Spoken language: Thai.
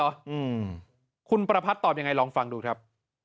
อืมคุณประพัทธ์ตอบยังไงลองฟังดูครับ